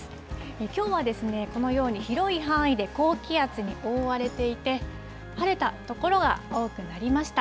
きょうはですね、このように広い範囲で高気圧に覆われていて、晴れた所が多くなりました。